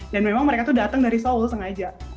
dan memang mereka tuh datang dari seoul sengaja